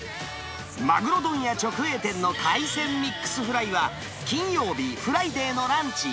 マグロ問屋直営店の海鮮ミックスフライは、金曜日、フライデーのランチ。